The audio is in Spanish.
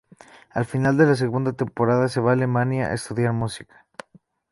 Al final de la segunda temporada se va a Alemania a estudiar música.